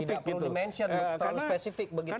tidak perlu di mention terlalu spesifik begitu ya